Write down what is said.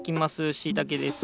しいたけです。